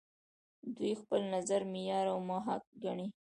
دوی خپل نظر معیار او محک ګڼي.